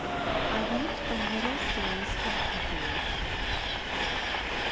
"I Want a Little Serious Talk with You."